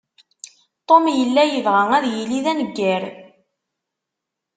Tom yella yebɣa ad yili d aneggar.